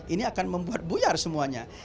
ini akan membuat buyar semuanya